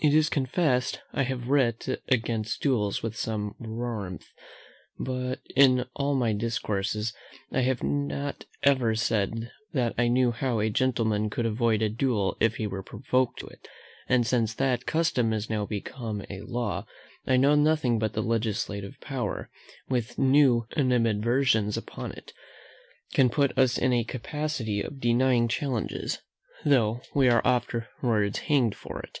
It is confessed I have writ against duels with some warmth; but in all my discourses I have not ever said that I knew how a gentleman could avoid a duel if he were provoked to it; and since that custom is now become a law, I know nothing but the legislative power, with new animadversions upon it, can put us in a capacity of denying challenges, though we are afterwards hanged for it.